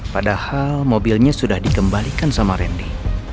padahal mobilnya sudah dikembalikan sama randy